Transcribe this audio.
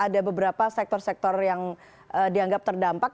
ada beberapa sektor sektor yang dianggap terdampak